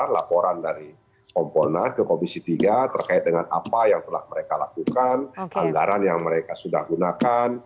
laporan dari kompolnas ke komisi tiga terkait dengan apa yang telah mereka lakukan anggaran yang mereka sudah gunakan